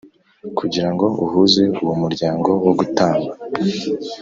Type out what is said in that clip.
kugirango uhuze uwo muryango wo gutamba.